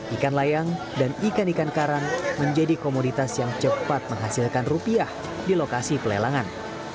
ikan layang dan ikan ikan karang menjadi komoditas yang cepat menghasilkan rupiah di lokasi pelelangan